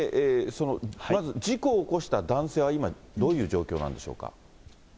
まず事故を起こした男性は今、どういう状況なんでしょうか。